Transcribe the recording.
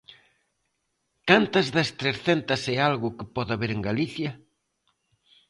¿Cantas das trescentas e algo que pode haber en Galicia?